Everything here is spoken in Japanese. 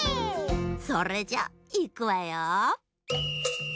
それじゃいくわよ。